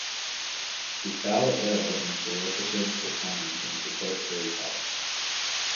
He fell ill and solicited for funds and support for his health.